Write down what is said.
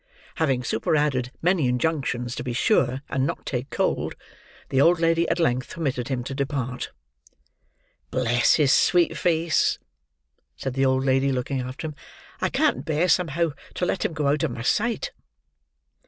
Having superadded many injunctions to be sure and not take cold, the old lady at length permitted him to depart. "Bless his sweet face!" said the old lady, looking after him. "I can't bear, somehow, to let him go out of my sight."